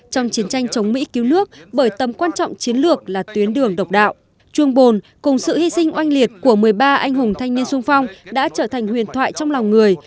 trong chiến tranh chống mỹ cứu nước bởi tầm quan trọng chiến lược là tuyến đường độc đạo chuồng bồn cùng sự hy sinh oanh liệt của một mươi ba anh hùng thanh niên sung phong đã trở thành huyền thoại trong lòng người